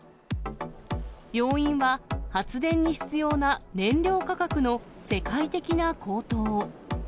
要因は、発電に必要な燃料価格の世界的な高騰。